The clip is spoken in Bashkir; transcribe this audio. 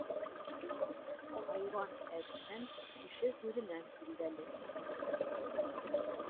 Хайуан әҙенән, кеше һүҙенән билдәле.